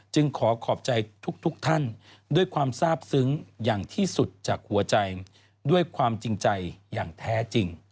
ขอขอบใจทุกท่านด้วยความทราบซึ้งอย่างที่สุดจากหัวใจด้วยความจริงใจอย่างแท้จริง